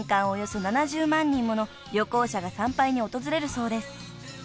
およそ７０万人もの旅行者が参拝に訪れるそうです］